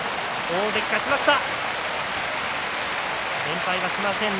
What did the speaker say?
大関、勝ちました。